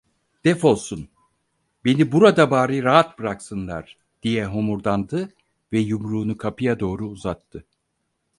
Defolsun, beni burada bari rahat bıraksınlar! diye homurdandı ve yumruğunu kapıya doğru uzattı.